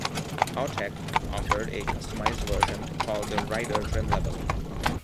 Autech offered a customized version called the "Rider" trim level.